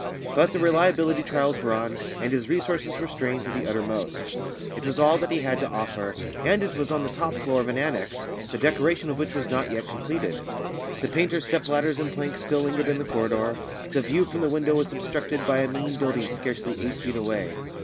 But the reliability trials were on, and his resources were strained to the uttermost. It was all that he had to offer, and it was on the top floor of an annexe, the decoration of which was not yet completed. The painters' step ladders and planks still lingered in the corridor. The view from the window was obstructed by a mean building scarcely eight feet away.